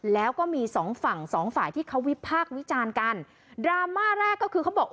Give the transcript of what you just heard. แล้วก็มีสองฝั่งสองฝ่ายที่เขาวิพากษ์วิจารณ์กันดราม่าแรกก็คือเขาบอก